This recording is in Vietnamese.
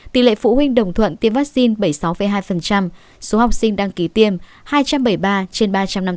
tỷ lệ phụ huynh đồng thuận tiêm vaccine bảy mươi sáu hai số học sinh đăng ký tiêm hai trăm bảy mươi ba trên ba trăm năm mươi bốn